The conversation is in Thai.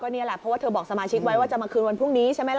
นี่แหละเพราะว่าเธอบอกสมาชิกไว้ว่าจะมาคืนวันพรุ่งนี้ใช่ไหมล่ะ